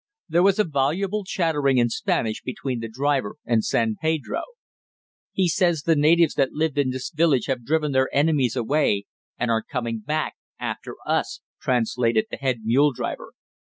There was a voluble chattering in Spanish between the driver and San Pedro. "He says the natives that lived in this village have driven their enemies away, and are coming back after us," translated the head mule driver.